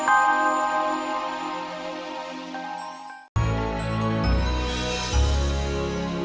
ambil nih keima mau beli nih